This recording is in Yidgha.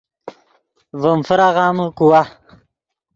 ڤیم فراغامے کوا